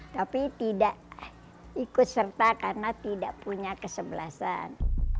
tapi tidak ikut serta karena tidak punya kesebelasan